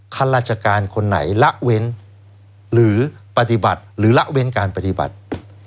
ข้าราชการคนไหนละเว้นหรือปฏิบัติหรือละเว้นการปฏิบัติ